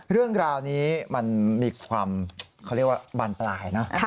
เรื่องราวนี้มันมีความเขาเรียกว่าบานปลายนะ